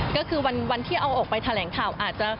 ก็คือวันที่เอาออกไปแถลงข่าวอาจจะ